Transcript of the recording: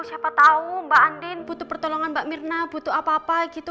siapa tahu mbak andin butuh pertolongan mbak mirna butuh apa apa gitu